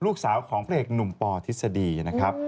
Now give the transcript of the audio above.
ลูกสาวของพระเอกหนุ่มปอทฤษฎีนะครับ